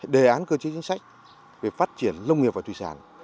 đề án cơ chế chính sách về phát triển nông nghiệp và thủy sản